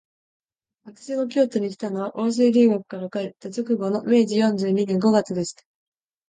私が京都にきたのは、欧州留学から帰った直後の明治四十二年五月でした